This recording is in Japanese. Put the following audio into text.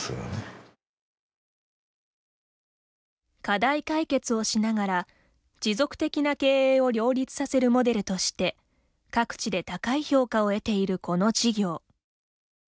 課題解決をしながら持続的な経営を両立させるモデルとして各地で高い評価を得ているこの事業。